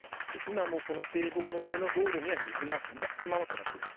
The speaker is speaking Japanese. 今もこの堤防の上の道路には水がたまったままとなっている。